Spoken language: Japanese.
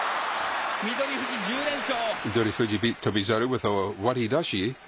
翠富士、１０連勝。